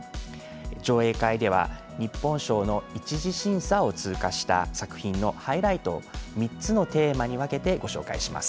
上映会では、日本賞の１次審査を通過した作品のハイライトを３つのテーマに分けてご紹介します。